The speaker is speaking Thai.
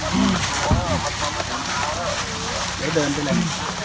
เดี๋ยวเดินไปเลย